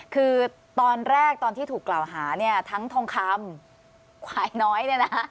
คือตอนแรกตอนที่ถูกกล่าวหาเนี่ยทั้งทองคำควายน้อยเนี่ยนะ